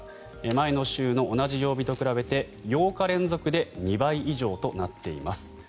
前の週の同じ曜日と比べて８日連続で２倍以上となっています。